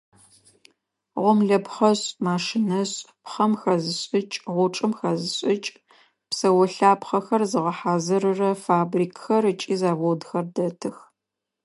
Гъомлэпхъэшӏ, машинэшӏ, пхъэм хэзышӏыкӏ, гъучӏым хэзышӏыкӏ, псэолъапхъэхэр зыгъэхьазырырэ фабрикхэр ыкӏи заводхэр дэтых.